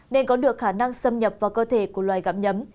nên có được khả năng xâm nhập vào cơ thể của loài gặm nhấm